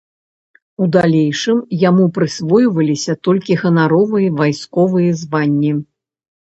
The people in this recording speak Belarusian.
У далейшым яму прысвойваліся толькі ганаровыя вайсковыя званні.